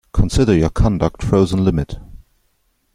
Consider your conduct frozen limit.